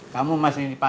kamu masih di pasar